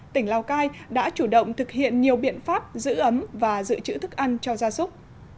tỉnh lào cai đã chủ động thực hiện nhiều biện pháp giữ ấm và giữ chữ thức ăn cho gia súc